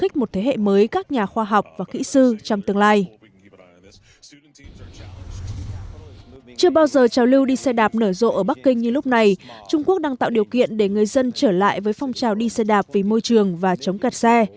chưa bao giờ trào lưu đi xe đạp nở rộ ở bắc kinh như lúc này trung quốc đang tạo điều kiện để người dân trở lại với phong trào đi xe đạp vì môi trường và chống kẹt xe